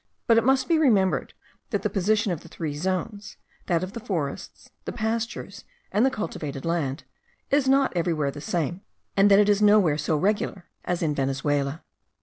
But it must be remembered that the position of the three zones, that of the forests, the pastures, and the cultivated land, is not everywhere the same, and that it is nowhere so regular as in Venezuela.